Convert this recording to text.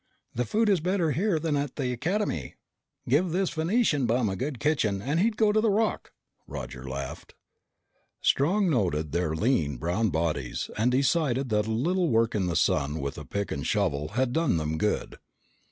"The food is better here than at the Academy!" "Give this Venusian bum a good kitchen and he'd go to the Rock!" Roger laughed. Strong noted their lean, brown bodies and decided that a little work in the sun with a pick and shovel had done them good.